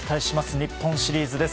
日本シリーズです。